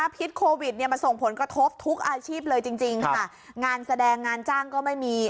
พิษโควิดเนี่ยมันส่งผลกระทบทุกอาชีพเลยจริงจริงค่ะงานแสดงงานจ้างก็ไม่มี